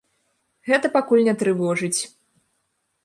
Гэта пакуль не трывожыць.